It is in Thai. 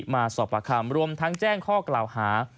มาสอบปากคำรวมทั้งแจ้งข้อกล่าวหา